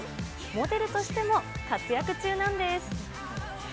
モデルとしても活躍中なんです。